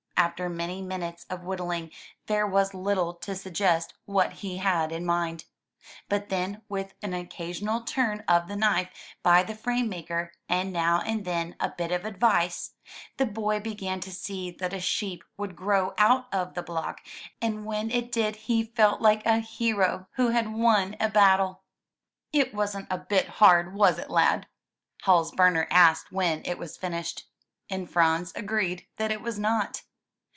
After many minutes of whittling there was little to suggest what he had in mind. But then, with an occasional turn of the knife by the frame maker, and now and then a bit of advice, the boy began to see that a sheep would grow out of the block, and when it did he felt like a hero who had won a battle. 109 MY BOOK HOUSE '*It wasn't a bit hard, was it lad?" Hals Bemer asked when it was finished. And Franz agreed that it was not.